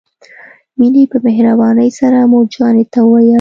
مينې په مهربانۍ سره مور جانې ته وويل.